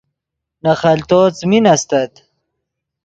نے خلتو څیمین استت